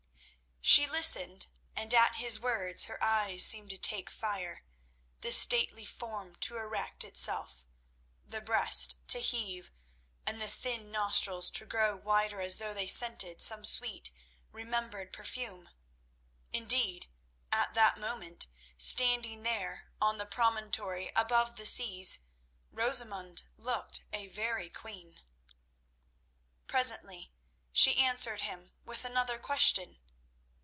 She listened, and at his words her eyes seemed to take fire, the stately form to erect itself, the breast to heave, and the thin nostrils to grow wider as though they scented some sweet, remembered perfume. Indeed, at that moment, standing there on the promontory above the seas, Rosamund looked a very queen. Presently she answered him with another question.